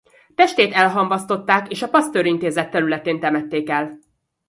Testét elhamvasztották és a Pasteur Intézet területén temették el.